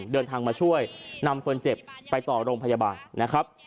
เดินทางมาช่วยนำคนเจ็บไปต่อโรงพยาบาลนะครับ